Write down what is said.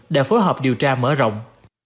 để phối hợp điều tra mở rộng